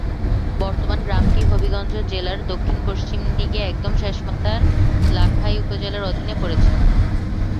বর্তমানে গ্রামটি হবিগঞ্জ জেলার দক্ষিণ-পশ্চিম দিকে একদম শেষমাথায় লাখাই উপজেলার অধীনে পড়েছে।